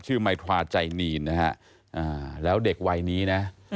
ควาใจนีนนะฮะอ่าแล้วเด็กวัยนี้น่ะอืม